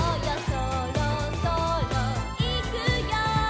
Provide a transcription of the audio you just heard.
「そろそろいくよ」